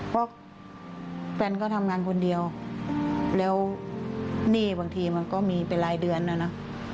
ก็แฟนก็ทำงานคนเดียวแล้วนี่บางทีมันก็มีไปรายเดือนนะ